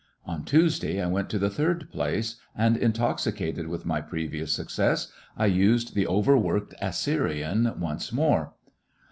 On Tuesday I went to the third place, and intoxicated with my pre vious success, I used the overworked Assyrian once more.